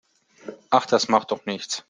Ach, das macht doch nichts.